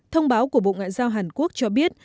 thông báo của bộ ngoại giao hàn quốc cho biết